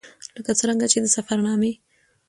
ـ لکه څرنګه چې د سفر نامې